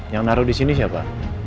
yang naruh disini siapa